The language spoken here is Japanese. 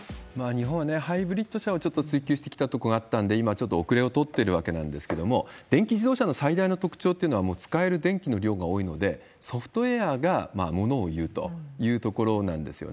日本はハイブリッド車をちょっと追究してきたところがあったんで、今はちょっと後れを取っているわけなんですけれども、電気自動車の最大の特徴というのはもう使える電気の量が多いので、ソフトウエアがものをいうというところなんですよね。